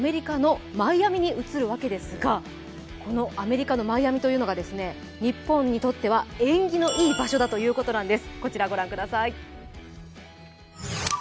舞台がアメリカのマイアミに移るわけですが、アメリカのマイアミというのが、日本にとっては演技のいい場所だということなんです。